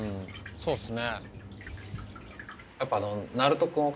そうですね。